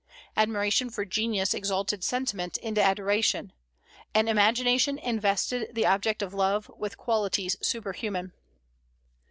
Admiration for genius exalted sentiment into adoration, and imagination invested the object of love with qualities superhuman.